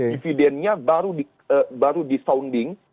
dividendnya baru disaunasi